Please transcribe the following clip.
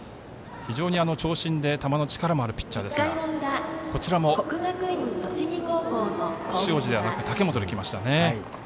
長身で球の力もあるピッチャーですがこちらも塩路ではなく武元できましたよね。